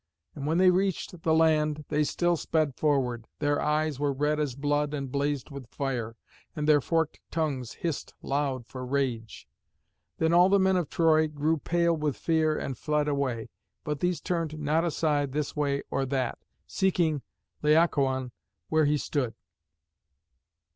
And when they reached the land they still sped forward. Their eyes were red as blood and blazed with fire, and their forked tongues hissed loud for rage. Then all the men of Troy grew pale with fear and fled away, but these turned not aside this way or that, seeking Laocoön where he stood.